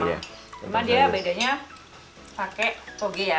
cuma bedanya dia pakai toge ya